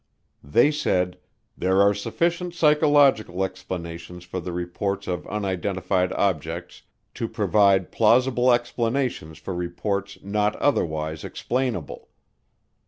They said, "there are sufficient psychological explanations for the reports of unidentified objects to provide plausible explanations for reports not otherwise explainable."